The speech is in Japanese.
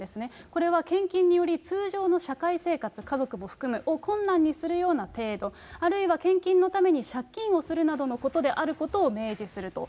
これは献金により通常の社会生活、家族も含む、を困難にするような程度、あるいは献金のために借金をするなどのことであることを明示すると。